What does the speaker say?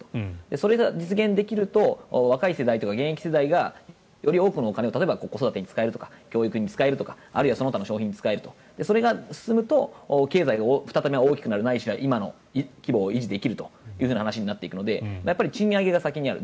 それが実現できると若い世代とか現役世代がより多くのお金を子育て、教育に使えるとかあるいはその他の消費に使えるとそれが進むと経済が再び大きくなるないしは今の規模を維持できるという話になっていくので賃上げが先にある。